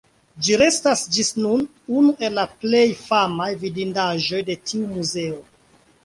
Ĝi restas ĝis nun unu el la plej famaj vidindaĵoj de tiu muzeo.